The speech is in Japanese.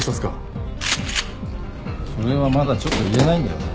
それはまだちょっと言えないんだよね。